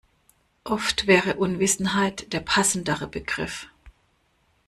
Oft wäre Unwissenheit der passendere Begriff.